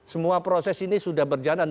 semua proses ini sudah berjalan